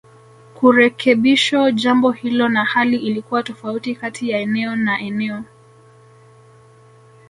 Kurekebisho jambo hilo na hali ilikuwa tofauti kati ya eneo na eneo